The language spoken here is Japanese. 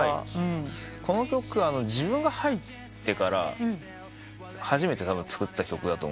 この曲は自分が入ってから初めてたぶん作った曲だと。